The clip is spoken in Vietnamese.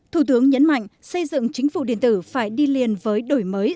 thủ tướng nhấn mạnh xây dựng chính phủ điện tử phải đi liền với đổi mới